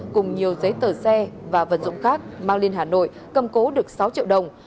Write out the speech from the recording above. cùng nhiều giấy tờ xe và vật dụng khác mang lên hà nội cầm cố được sáu triệu đồng